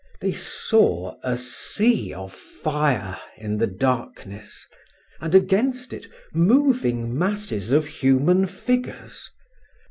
They saw a sea of fire in the darkness, and against it moving masses of human figures.